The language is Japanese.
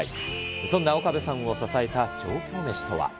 そんな岡部さんを支えた上京メシとは。